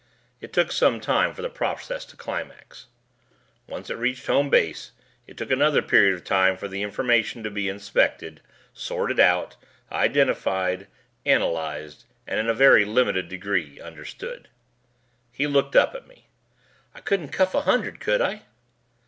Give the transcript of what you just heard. It took some time for the process to climax. Once it reached Home Base it took another period of time for the information to be inspected, sorted out, identified, analyzed, and in a very limited degree, understood. He looked up at me. "I couldn't cuff a hundred, could I?"